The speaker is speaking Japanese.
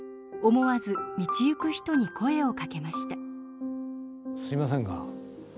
思わず道行く人に声をかけました。